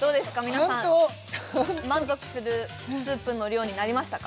皆さん満足するスープの量になりましたか？